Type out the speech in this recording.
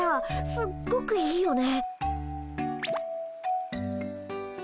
すっごくいいよね。